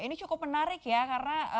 ini cukup menarik ya karena